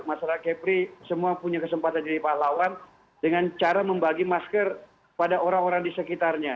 masalah kepri semua punya kesempatan jadi pahlawan dengan cara membagi masker pada orang orang di sekitarnya